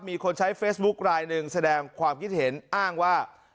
มีคนใช้เฟซบุ๊คลายหนึ่งแสดงความคิดเห็นอ้างว่า